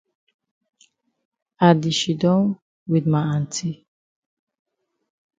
I di shidon wit ma aunty.